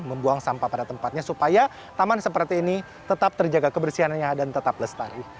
membuang sampah pada tempatnya supaya taman seperti ini tetap terjaga kebersihannya dan tetap lestari